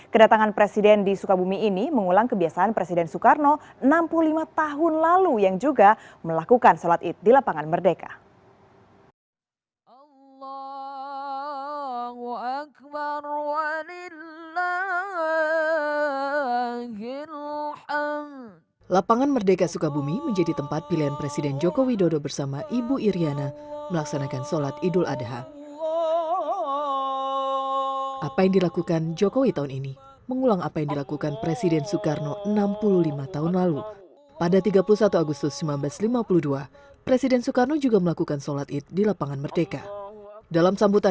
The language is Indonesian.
kedatangan presiden di sukabumi ini mengulang kebiasaan presiden soekarno enam puluh lima tahun lalu yang juga melakukan sholat id di lapangan merdeka